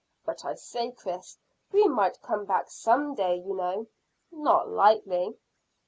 "But I say, Chris, we might come back some day, you know." "Not likely."